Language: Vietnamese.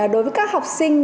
đối với các học sinh